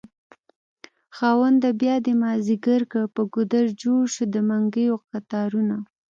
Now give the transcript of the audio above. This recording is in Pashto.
خاونده بيادی مازد يګر کړ په ګودر جوړشو دمنګيو کتارونه